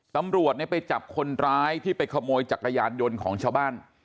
ตำรวจไปจับคนร้ายที่ไปขโมยจักรยานยนต์ของชาวบ้าน